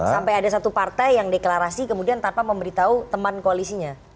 sampai ada satu partai yang deklarasi kemudian tanpa memberitahu teman koalisinya